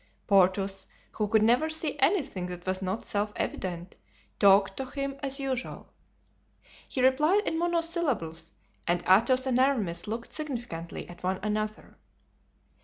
Porthos, who could never see anything that was not self evident, talked to him as usual. He replied in monosyllables and Athos and Aramis looked significantly at one another.